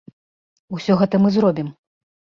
Усё гэта мы зробім.